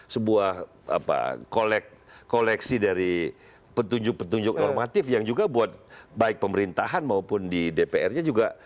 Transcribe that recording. sebuah koleksi dari petunjuk petunjuk normatif yang juga buat baik pemerintahan maupun di dpr nya juga